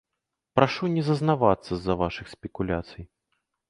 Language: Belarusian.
Прашу не зазнавацца з-за вашых спекуляцый.